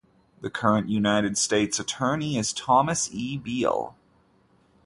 The current United States Attorney is Thomas E. Beall.